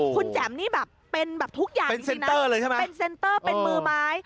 คุณแจ๋มนี่แบบเป็นแบบทุกอย่างเป็นเซ็นเตอร์เป็นมือไม้